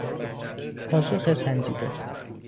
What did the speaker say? پاسخ سنجیده